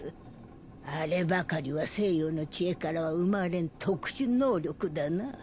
あればかりは西洋の知恵からは生まれん特殊能力だな。